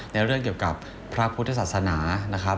ในเรื่องเกี่ยวกับพระพุทธศาสนานะครับ